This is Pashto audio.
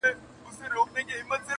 ورته وخاندم او وروسته په ژړا سم-